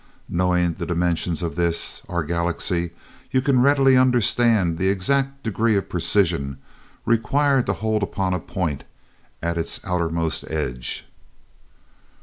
Knowing the dimensions of this, our galaxy, you can readily understand the exact degree of precision required to hold upon a point at its outermost edge."